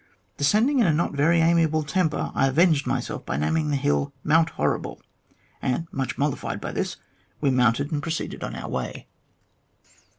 Descending in a not very amiable temper, I avenged myself by naming the hill Mount Horrible ; and, much mollified by this, we mounted and proceeded on our way.